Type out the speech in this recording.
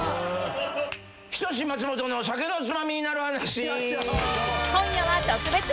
『人志松本の酒のツマミになる話』［今夜は特別編］